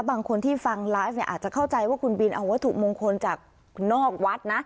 บางคนที่ฟังไลฟ์เนี่ยอาจจะเข้าใจว่าคุณบินเอาวัตถุมงคลจากนอกวัดนะ